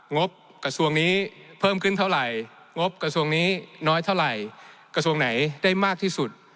งบกระทรวงนี้เพิ่มขึ้นเท่าไหร่งบกระทรวงนี้น้อยเท่าไหร่กระทรวงไหนได้มากที่สุด